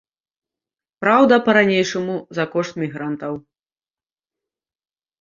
Праўда, па-ранейшаму за кошт мігрантаў.